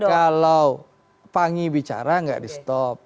kalau panggih bicara gak di stop